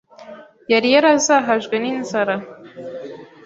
Yari yarazahajwe n’inzara